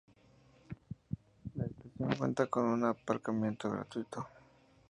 La estación cuenta con un aparcamiento gratuito.